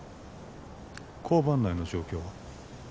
交番内の状況は？